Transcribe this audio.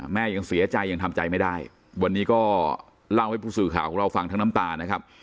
แม่ยังเสียใจยังทำใจไม่ได้วันนี้ก็เล่าให้ผู้สื่อข่าวของเราฟังทั้งน้ำตานะครับ